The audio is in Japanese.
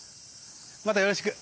またよろしく。